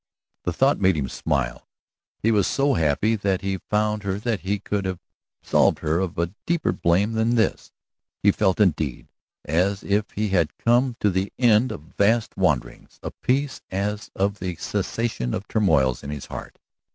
The thought made him smile. He was so happy that he had found her that he could have absolved her of a deeper blame than this. He felt, indeed, as if he had come to the end of vast wanderings, a peace as of the cessation of turmoils in his heart.